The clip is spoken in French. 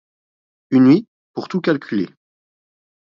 Une nuit pour tout calculer.